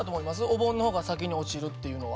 お盆の方が先に落ちるっていうのは。